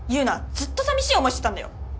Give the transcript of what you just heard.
ずっとさみしい思いしてたんだよ